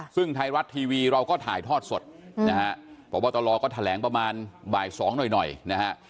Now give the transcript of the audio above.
ซึ่งไทยรัฐทีวีเราก็ถ่ายทอดสดนะฮะพบตรก็แถลงประมาณบ่ายสองหน่อยหน่อยนะฮะ